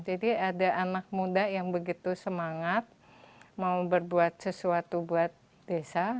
jadi ada anak muda yang begitu semangat mau berbuat sesuatu buat desa